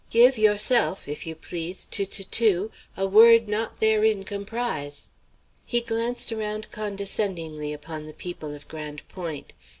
Give, yourself, if you please, to Toutou, a word not therein comprise'." He glanced around condescendingly upon the people of Grande Pointe.